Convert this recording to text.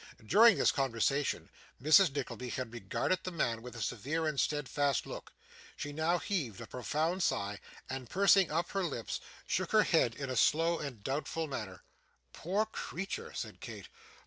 During this conversation, Mrs. Nickleby had regarded the man with a severe and steadfast look. She now heaved a profound sigh, and pursing up her lips, shook her head in a slow and doubtful manner. 'Poor creature!' said Kate.